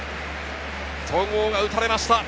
戸郷が打たれました。